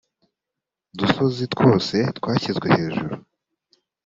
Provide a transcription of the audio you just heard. dusozi twose twashyizwe hejuru